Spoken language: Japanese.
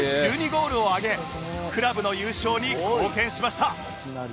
ゴールをあげクラブの優勝に貢献しました